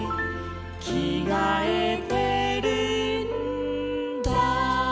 「きがえてるんだ」